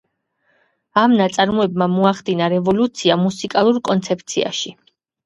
ამ ნაწარმოებმა მოახდინა რევოლუცია მუსიკალურ კონცეფციაში.